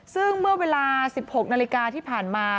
ซึ่งเมื่อเวลา๑๖นาฬิกาที่ผ่านมา